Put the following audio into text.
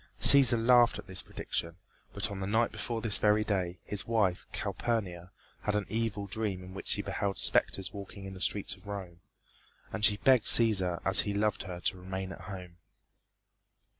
Cæsar laughed at this prediction, but on the night before this very day, his wife, Calpurnia, had an evil dream in which she beheld specters walking in the streets of Rome; and she begged Cæsar as he loved her to remain at home.